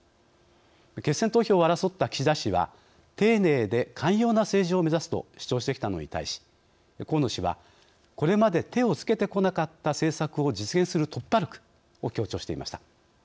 決選投票を争った岸田氏は「丁寧で寛容な政治を目指す」と主張してきたのに対し河野氏はこれまで手を付けてこなかった政策を実現する突破力を強調していました。